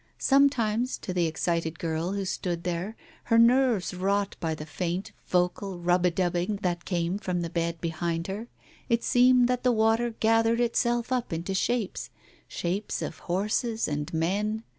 Sometimes, to the excited girl, who stood there, her nerves wrought by the faint vfoal rub a dubbing that came from the bed behind her, it seemed that the water gathered itself up into shapes — shapes of horses and men.